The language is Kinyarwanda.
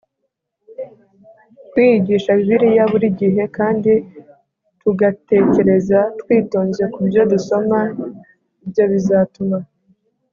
kwiyigisha Bibiliya buri gihe kandi tugatekereza twitonze ku byo dusoma Ibyo bizatuma